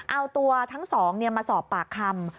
เอาตัวทั้งสองมาสอบปากคำ